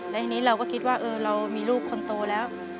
แล้วทีนี้เราก็คิดว่าเรามีลูกคนโตแล้ว